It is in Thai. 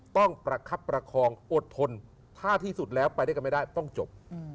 ประคับประคองอดทนถ้าที่สุดแล้วไปด้วยกันไม่ได้ต้องจบ